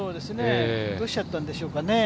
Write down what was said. どうしちゃったんでしょうかね。